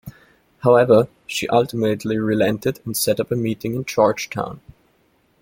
However, she ultimately relented and set up a meeting in Georgetown.